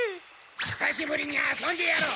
久しぶりに遊んでやろう！